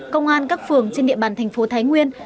công an các phường trên địa bàn thành phố thái nguyên